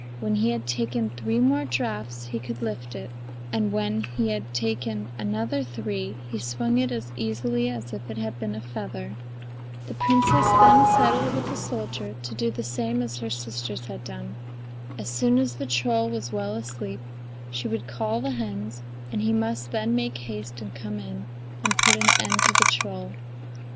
When he had taken three more draughts he could lift it, and when he had taken another three he swung it as easily as if it had been a feather. The Princess then settled with the soldier to do the same as her sisters had done. As soon as the troll was well asleep she would call the hens, and he must then make haste and come in and put an end to the troll.